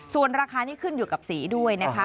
ส่วนราคานี้ขึ้นอยู่กับสีด้วยนะคะ